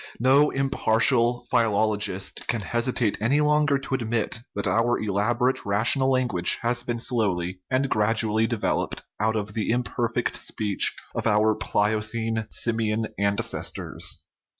No impartial philologist can hesitate any longer to admit that our elaborate rational language has been slowly and gradually developed out of the imperfect speech of our Pliocene simian ancestors.